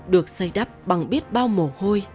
được xây đắp bằng biết bao mồ hôi